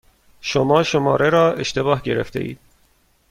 شما شماره را اشتباه گرفتهاید.